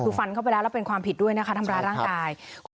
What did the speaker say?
คือฟันเข้าไปแล้วแล้วเป็นความผิดด้วยนะคะทำร้ายร่างกาย